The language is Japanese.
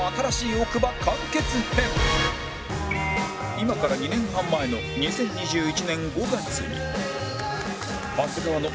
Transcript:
今から２年半前の２０２１年５月に